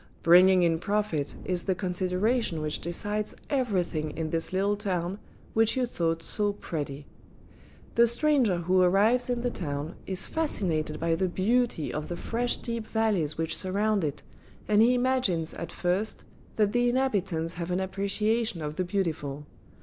Bringing in profit is the consideration which decides every thing in this little town which you thought so pretty. The stranger who arrives in the town is fascinated by the beauty of the fresh deep valleys which surround it, and he imagines at first that the inhabitants have an appreciation of the beautiful.